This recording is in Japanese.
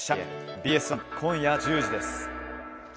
ＢＳ１で今夜１０時です。